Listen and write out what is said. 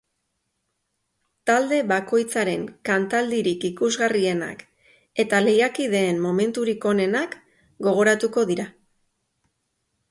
Talde bakoitzaren kantaldirik ikusgarrienak eta lehiakideen momenturik onenak gogoratuko dira.